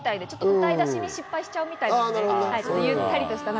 歌い出しに失敗しちゃうみたいです。